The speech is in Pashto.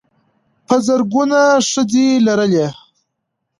په زرګونه ښځې لرلې.